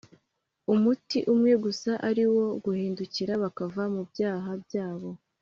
umuti umwe gusa ari wo guhindukira bakava mu byaha byabo